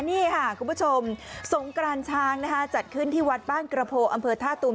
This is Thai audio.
นี่ค่ะคุณผู้ชมสงกรานช้างนะคะจัดขึ้นที่วัดบ้านกระโพอำเภอท่าตูม